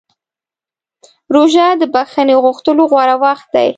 روژه د بښنې غوښتلو غوره وخت دی.